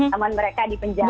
teman mereka di penjara